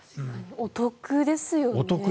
お得ですよね。